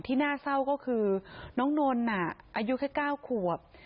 น่าเศร้าก็คือน้องนนอายุแค่๙ขวบ